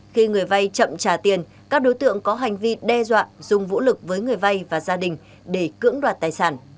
khi người vay chậm trả tiền các đối tượng có hành vi đe dọa dùng vũ lực với người vay và gia đình để cưỡng đoạt tài sản